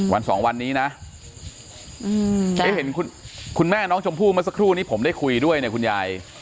วัน๒วันนี้นะคุณแม่น้องจมภู่มาสักครู่นี้ผมได้คุยด้วยเนี่ยคุณยาย